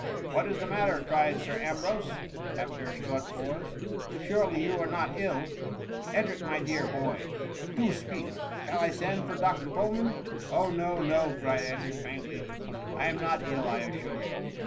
'* What is the matter ?"" cried Sir Ambrose, after a short pause ;surely you are not ill ? Edric, my dear boy, do speak ; shall I send for Dr. Coleman ?'^Oh, no, no !^ cried Edric, faintly ;•' I am not ill, I assure you."